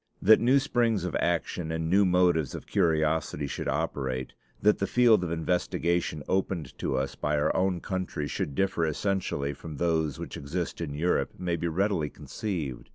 That new springs of action and new motives of curiosity should operate, that the field of investigation opened to us by our own country should differ essentially from those which exist in Europe, may be readily conceived.